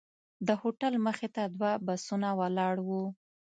د هوټل مخې ته دوه بسونه ولاړ وو.